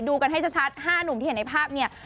กันให้ชัด๕หนุ่มที่เห็นในภาพเนี่ย